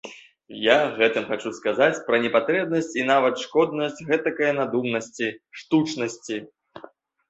Я гэтым хачу сказаць пра непатрэбнасць і нават шкоднасць гэтакае надуманасці, штучнасці.